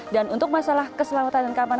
dan untuk masalah keselamatan dan keamanan